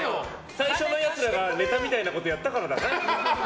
最初のやつらがネタみたいなことやったからだね。